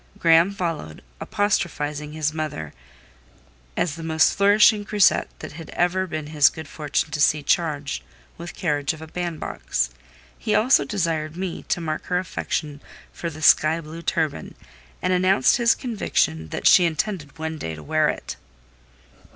Graham followed, apostrophizing his mother as the most flourishing grisette it had ever been his good fortune to see charged with carriage of a bandbox; he also desired me to mark her affection for the sky blue turban, and announced his conviction that she intended one day to wear it.